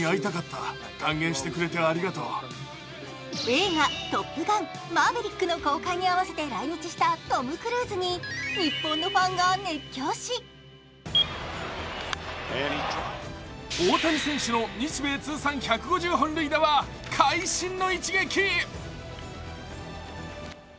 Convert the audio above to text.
映画「トップガンマーヴェリック」の公開に合わせて来日したトム・クルーズに日本のファンが熱狂し大谷選手の日米通算１５０本塁打は会心の一撃。